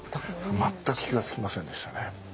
全く気が付きませんでしたね。